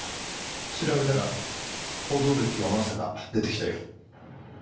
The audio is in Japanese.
調べたら補導歴がわんさか出てきたよ。